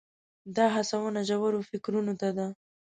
دا هڅونه ژورو فکرونو ته ده.